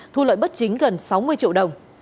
thu lợi bất chính gần sáu mươi triệu đồng